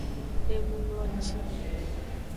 Enungloci.